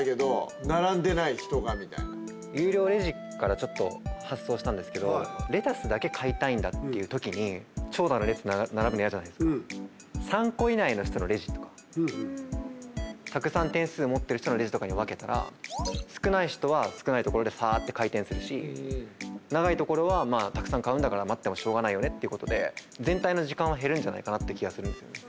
有料レジからちょっと発想したんですけどレタスだけ買いたいんだっていう時に長蛇の列並ぶの嫌じゃないですか。とかたくさん点数持ってる人のレジとかに分けたら少ない人は少ない所でサって回転するし長いところはまあたくさん買うんだから待ってもしょうがないよねっていうことで全体の時間は減るんじゃないかなって気はするんですよね。